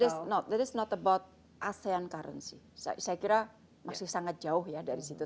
this not that is not about asean currency saya kira masih sangat jauh ya dari situ